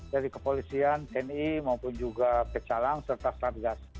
dari kepolisian tni maupun juga pecalang serta satgas